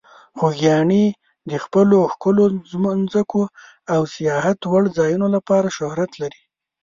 خوږیاڼي د خپلو ښکلو ځمکو او سیاحت وړ ځایونو لپاره شهرت لري.